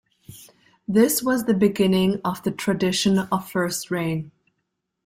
This was the beginning of the tradition of First Rain.